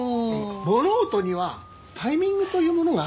物事にはタイミングというものがあるんですよ。